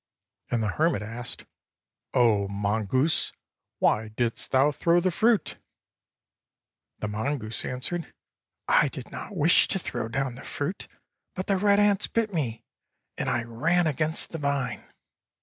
And the hermit asked, *'0 mongoose, why didst thou throw the fruit?" The mongoose answered: "I did not wish to throw down the fruit, but the red ants bit me, and I ran against the vine."